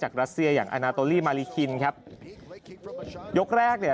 รัสเซียอย่างอาณาโตลี่มาริคินครับยกแรกเนี่ย